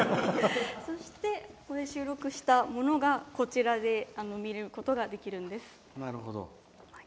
そしてここで収録したものを見ることができるんです。